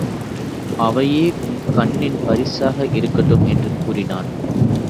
அவையே உம் கண்ணின் பரிசாக இருக்கட்டும் என்று கூறினான்.